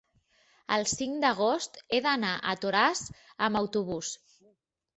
El cinc d'agost he d'anar a Toràs amb autobús.